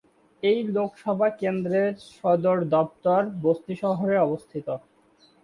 এই লোকসভা কেন্দ্রের সদর দফতর বস্তি শহরে অবস্থিত।